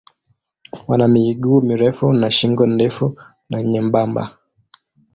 Wana miguu mirefu na shingo ndefu na nyembamba.